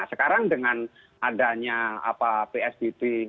sekarang dengan adanya psbb